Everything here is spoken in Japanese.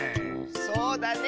そうだね！